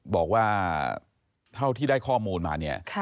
บอกว่าเท่าที่ได้ข้อมูลมาเนี่ย